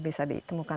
bisa ditemukan disini